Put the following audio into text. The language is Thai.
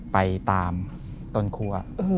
ไปตามต้นคั่ว